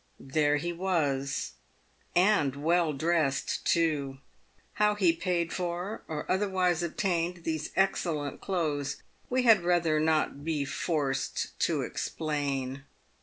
There he was, and well dressed too. How he paid for, or otherwise obtained, these excellent clothes, we had rather not be forced to explain.